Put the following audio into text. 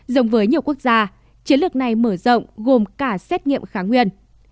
giống với nhiều quốc gia chiến lược này mở rộng gồm cả xét nghiệm kháng nguyên